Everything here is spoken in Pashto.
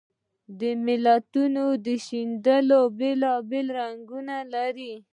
د متلونو شالیدونه بېلابېل رنګونه لري